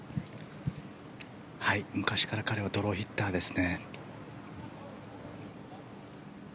昔から彼はドローヒッターですね。